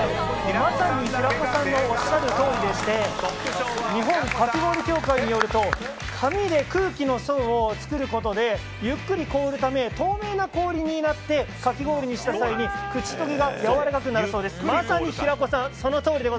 平子さんのおっしゃるとおりでして日本かき氷協会によると紙で空気の層を作ることでゆっくり凍るため透明な氷になってかき氷にした際に口溶けがやわらかくなるそうです。